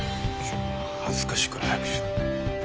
恥ずかしいから早くしろ。